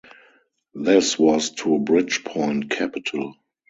This was to Bridgepoint Capital.